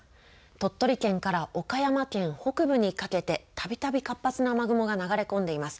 鳥取県から岡山県北部にかけて、たびたび活発な雨雲が流れ込んでいます。